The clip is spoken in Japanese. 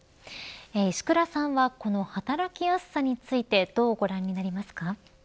石倉さんはこの働きやすさについてどうご覧になりますか。